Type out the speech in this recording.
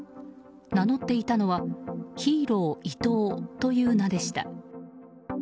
名乗っていたのはヒーロー伊藤という名でした。